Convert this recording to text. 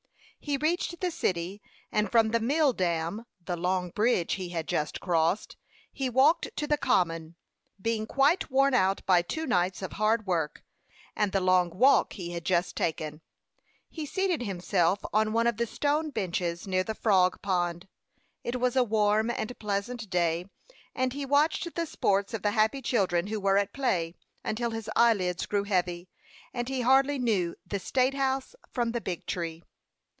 He reached the city, and from the Mill Dam the long bridge he had just crossed he walked to the Common. Being quite worn out by two nights of hard work, and the long walk he had just taken, he seated himself on one of the stone benches near the Frog Pond. It was a warm and pleasant day, and he watched the sports of the happy children who were at play, until his eyelids grew heavy, and he hardly knew the State House from the Big Tree.